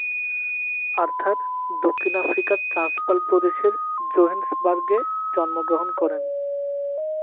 Arthur দক্ষিণ আফ্রিকার Transvaal প্রদেশের জোহেন্সবার্গে জন্মগ্রহণ করেন।